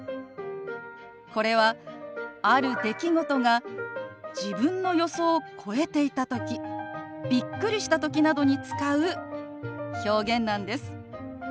これはある出来事が自分の予想を超えていたときびっくりしたときなどに使う表現なんです。